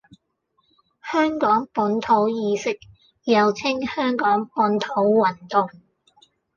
香港本土意識，又稱香港本土運動